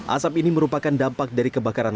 asap ini merupakan dampak dari kebakaran